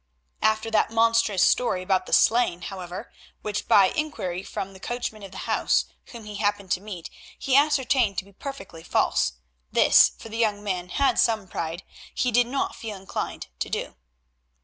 After that monstrous story about the sleighing, however, which by inquiry from the coachman of the house, whom he happened to meet, he ascertained to be perfectly false, this, for the young man had some pride, he did not feel inclined to do.